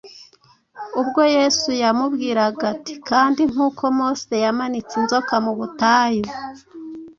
ubwo Yesu yamubwiraga ati, “Kandi nk’uko Mose yamanitse inzoka mu butayu,